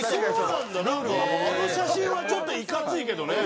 なんかあの写真はちょっといかついけどね。